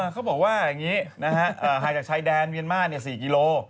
เขาบอกว่าอย่างนี้ห่างจากชายแดนเมียนมาร์๔กิโล